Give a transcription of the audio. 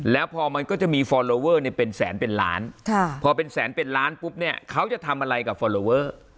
แล้วพอมันก็จะมีฟอลโลเวอร์เป็นแสนเป็นล้านพอเป็นแสนเป็นล้านปุ๊บเนี่ยเขาจะทำอะไรกับฟอลลอเวอร์